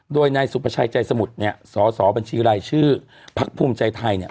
โดยนายสุภาชัยใจสมุทรเนี่ยสอสอบัญชีรายชื่อพักภูมิใจไทยเนี่ย